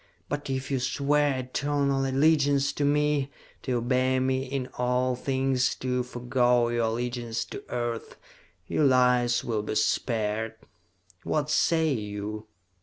But if you swear eternal allegiance to me, to obey me in all things, to forego your allegiance to Earth, your lives will be spared! What say you?"